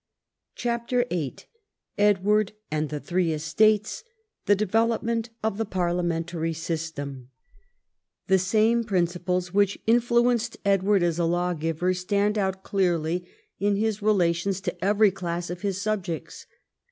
CHAPTER VIII EDWARD AND THE THREE ESTATES — THE DEVELOPMENT OF THE PARLIAMENTARY SYSTEM The same principles which influenced Edward as a law giver stand out clearly in his relations to every class of his subjects.